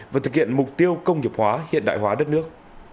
và thực hiện mục tiêu công nghiệp hóa hiện đại hóa đất nước